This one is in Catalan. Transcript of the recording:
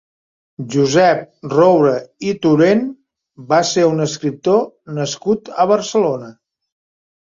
Josep Roure i Torent va ser un escriptor nascut a Barcelona.